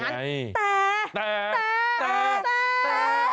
แต่แต่แต่